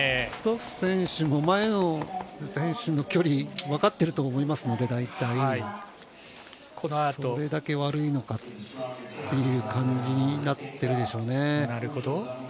ストッフ選手も前の選手との距離、分かっていると思いますので、それだけ悪いのかという感じになってるでしょうね。